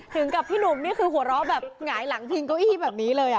ถึงกับพี่หนุ่มนี่คือหัวเราะแบบหงายหลังพิงเก้าอี้แบบนี้เลย